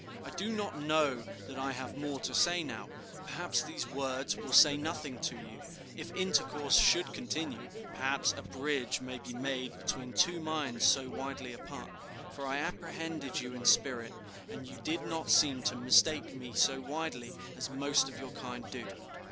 "I do not know that I have more to say now; perhaps these words will say nothing to you. If intercourse should continue, perhaps a bridge may be made between two minds so widely apart; for I apprehended you in spirit, and you did not seem to mistake me so widely as most of your kind do.